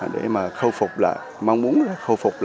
để mà khâu phục là mong muốn là khâu phục